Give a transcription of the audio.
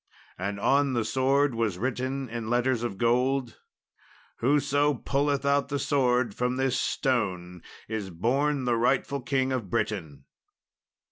And on the sword was written in letters of gold, "Whoso pulleth out the sword from this stone is born the rightful King of Britain."